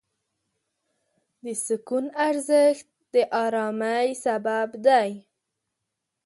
د سکون ارزښت د آرامۍ سبب دی.